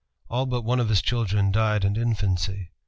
All but one of his children died in infancy.